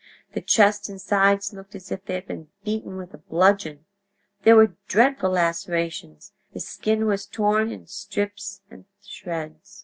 The chest and sides looked as if they had been beaten with a bludgeon. There were dreadful lacerations; the skin was torn in strips and shreds.